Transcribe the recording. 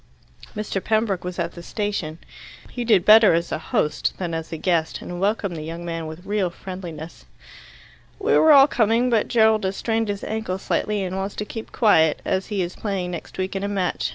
Mr. Pembroke was at the station. He did better as a host than as a guest, and welcomed the young man with real friendliness. "We were all coming, but Gerald has strained his ankle slightly, and wants to keep quiet, as he is playing next week in a match.